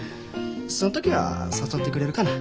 その時は誘ってくれるかな。